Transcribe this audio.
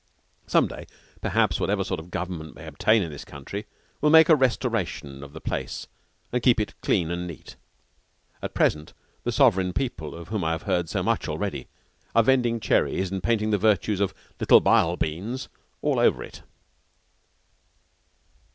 Some day, perhaps, whatever sort of government may obtain in this country will make a restoration of the place and keep it clean and neat. At present the sovereign people, of whom I have heard so much already, are vending cherries and painting the virtues of "Little Bile Beans" all over it.